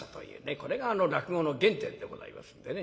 これが落語の原点でございますんでね。